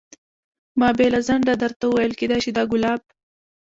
ما بې له ځنډه درته وویل کېدای شي دا ګلاب.